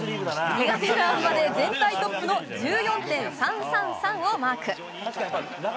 苦手なあん馬で全体トップの１４．３３３をマーク。